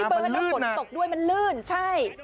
มันลื่นนะมันลื่นใช่